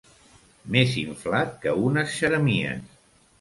Més inflat que unes xeremies.